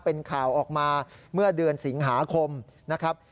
เป็นข่าวออกมาเมื่อเดือนสิงหาคมนะครับ